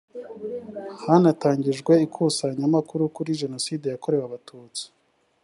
hanatangijwe ikusanyamakuru kuri jenocide yakorewe abatutsi